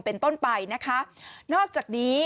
เป็นต้นไปนะคะนอกจากนี้